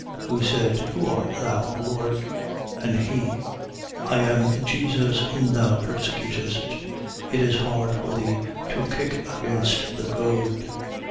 9:5. Who said: Who art thou, Lord? And he: I am Jesus whom thou persecutest. It is hard for thee to kick against the goad.